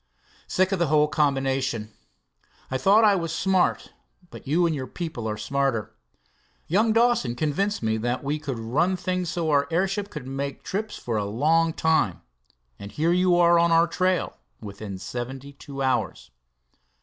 "Sick of the whole combination. I thought I was smart, but you and your people are smarter. Young Dawson convinced me that we could run things so our airship could make trips for a long time, and here you are on our trail within seventy two hours."